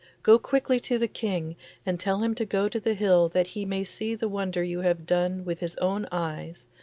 Go quickly to the King, and tell him to go to the hill that he may see the wonder you have done with his own eyes.